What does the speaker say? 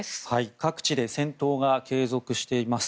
各地で戦闘が継続しています。